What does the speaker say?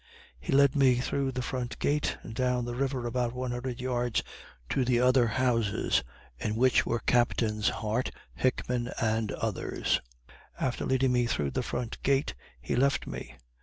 He led me through the front gate, and down the river about one hundred yards to the other houses, in which were Captains Hart, Hickman, and others. After leading me through the front gate, he left me.